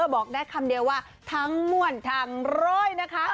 บอกได้คำเดียวว่าทั้งม่วนทั้งร้อยนะคะ